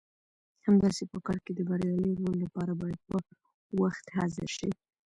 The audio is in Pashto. همداسې په کار کې د بریالي رول لپاره باید په وخت حاضر شئ.